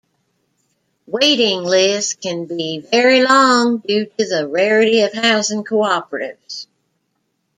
Waiting lists can be very long due to the rarity of housing co-operatives.